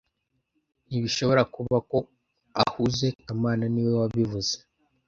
Ntibishobora kuba ko ahuze kamana niwe wabivuze